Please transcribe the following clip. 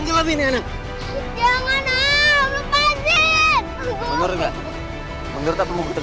ya jangan tenggelamin balbus om